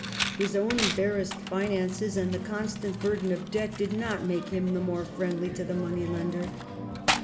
His own embarrassed finances and constant burden of debt did not make him the more friendly to the money lender.